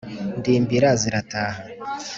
Ndimbira zirataha